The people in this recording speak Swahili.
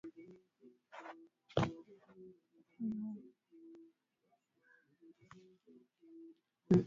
wakulima wa viazi hupendelea aina ya Pananzala sinja karoti C matanya vumilia kibakuli na simama